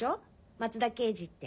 松田刑事って。